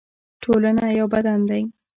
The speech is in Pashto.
ټولنه یو بدن دی